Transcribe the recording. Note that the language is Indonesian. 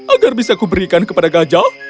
agar bisa kuberikan kepada gajah